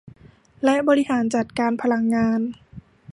และบริหารจัดการพลังงาน